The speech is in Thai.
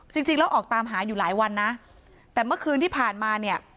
จริงแล้วออกตามหาอยู่หลายวันนะแต่เมื่อคืนที่ผ่านมาเนี่ย